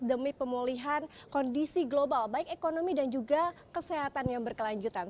demi pemulihan kondisi global baik ekonomi dan juga kesehatan yang berkelanjutan